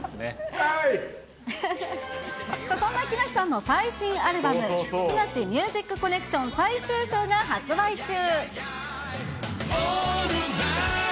そんな木梨さんの最新アルバム、木梨ミュージックコネクション最終章が発売中。